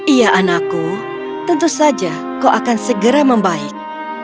iya anakku tentu saja kau akan segera membaik